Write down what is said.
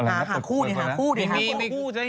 ห้าคู่อย่างนี้ฮะ